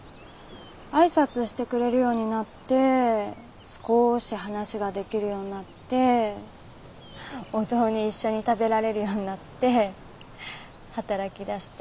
挨拶してくれるようになって少し話ができるようになってお雑煮一緒に食べられるようになって働きだして。